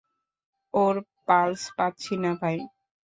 ওর pulse পাচ্ছি না, ভাই।